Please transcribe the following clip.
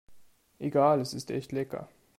Egal, es ist echt lecker.